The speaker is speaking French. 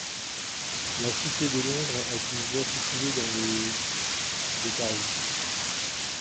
La cité de Londres est une voie située dans le de Paris.